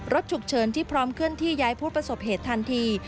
ฉุกเฉินที่พร้อมเคลื่อนที่ย้ายผู้ประสบเหตุทันที